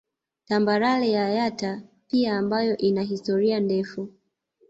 Tambarare ya Yatta pia ambayo ina historia ndefu